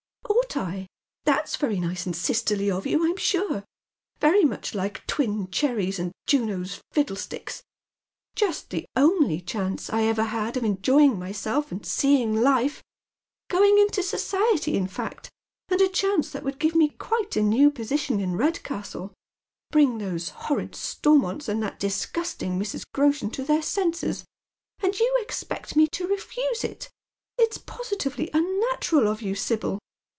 " Ought I ? That's very nice and sisterly of you, Pm sure. Veiy much like twin cherries and Juno's fiddlesticks. Just the only chance I ever had of enjoying myself and seeing life, — going Into society, in fact, and a chance tliat would give me quite a new position in Redcastle, bring those horrid Stormonts and that disgusting Mrs. Groshen to tlieir senses ; and you expect me to refuse it. It's positively unnatural of you, Sibyl."